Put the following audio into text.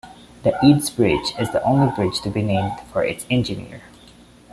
The Eads Bridge is the only bridge to be named for its engineer.